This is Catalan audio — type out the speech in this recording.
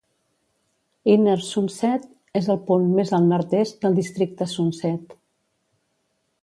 Inner Sunset és el punt més al nord-est del districte Sunset.